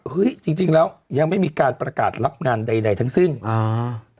ฮื้ยจริงแล้วยังไม่มีการประกาศรับงานใดทั้งซึ่งอ่า